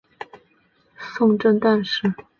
金宣宗贞佑四年仆散毅夫充任贺宋正旦使。